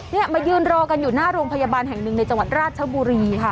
เนี่ยมายืนรอกันอยู่หน้าโรงพยาบาลแห่งหนึ่งในจังหวัดราชบุรีค่ะ